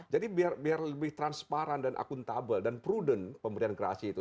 jadi biar lebih transparan dan akuntabel dan prudent pemberian gerasi itu